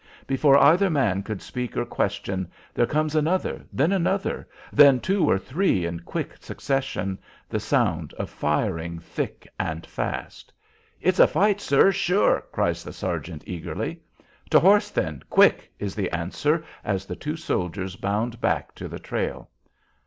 Before either man could speak or question, there comes another, then another, then two or three in quick succession, the sound of firing thick and fast. "It's a fight, sir, sure!" cries the sergeant, eagerly. "To horse, then, quick!" is the answer, as the two soldiers bound back to the trail.